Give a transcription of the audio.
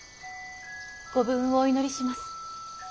ご武運をお祈りします。